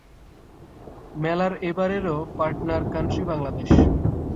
মেলার এবারেরও partner country Bangladesh.